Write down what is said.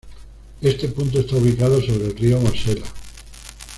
Este punto está ubicado sobre el río Mosela.